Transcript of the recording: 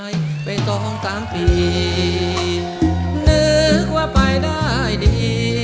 นึกว่าไปได้ดี